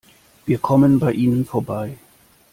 Wir kommen bei ihnen vorbei.